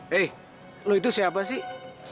hei lo itu siapa sih